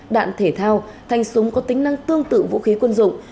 đạn thể thao thành súng có tính năng tương tự vũ khí quân dụng